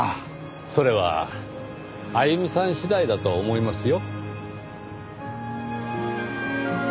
それはあゆみさん次第だと思いますよ。